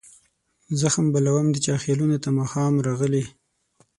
زخم بلوم د چا خیالونو ته ماښام راغلي